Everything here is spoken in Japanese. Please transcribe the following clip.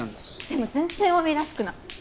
でも全然ＯＢらしくない。